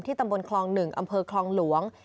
ตำบลคลอง๑อำเภอคลองหลวง